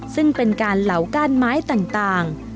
ซึ่งเป็นการเหลาก้านไม้ต่าง